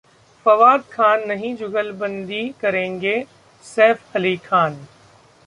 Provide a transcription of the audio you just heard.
फवाद खान नहीं 'जुगलबंदी' करेंगे सैफ अली खान